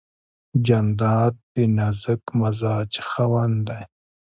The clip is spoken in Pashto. جانداد د نازک مزاج خاوند دی.